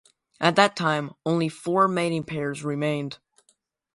At that time only four mating pairs remained.